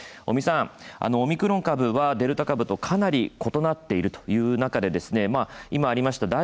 尾身さん、オミクロン株はデルタ株とかなり異なっているという中で今ありました